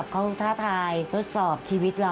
สวัสดีค่ะสวัสดีค่ะ